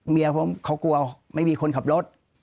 เมียผมเขากลัวไม่มีคนขับรถ